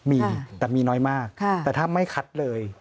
มีแต่มีน้อยมากแต่ถ้าไม่คัดเลย